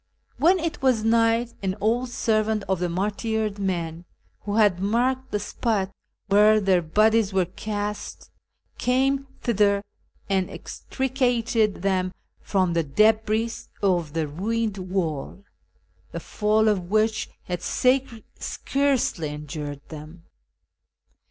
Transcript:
" When it was night an old servant of the martyred men, who had marked the spot where their bodies were cast, came thither, and extricated them from the cUhris of the ruined wall, the fall of which had scarcely injured them.